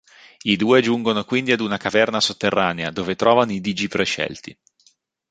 I due giungono quindi ad una caverna sotterranea, dove trovano i Digiprescelti.